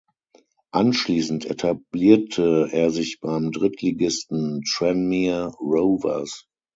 Anschließend etablierte er sich beim Drittligisten Tranmere Rovers.